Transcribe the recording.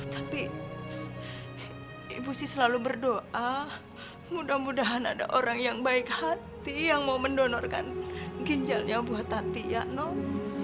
tapi ibu sih selalu berdoa mudah mudahan ada orang yang baik hati yang mau mendonorkan ginjalnya buat hati ya nom